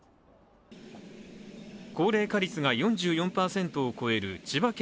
高齢化率が４４％を超える千葉県